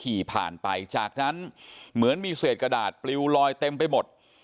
ขี่ผ่านไปจากนั้นเหมือนมีเศษกระดาษปลิวลอยเต็มไปหมด